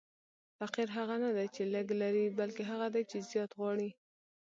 فقیر هغه نه دئ، چي لږ لري؛ بلکي هغه دئ، چي زیات غواړي.